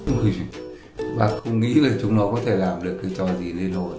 nó rất là vui và không nghĩ là chúng nó có thể làm được cái trò gì lên hồn